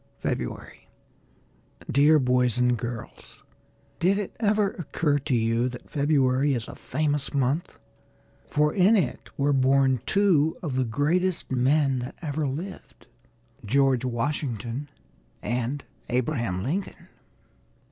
FEBRUARY Dear Boys and Girls Did it ever occur to you that February is a famous month, for in it were born two of the greatest men that ever lived, George Washington and Abraham Lincoln?